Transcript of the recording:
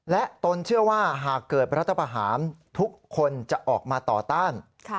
และตนเชื่อว่าหากเกิดรัฐประหารทุกคนจะออกมาต่อต้าน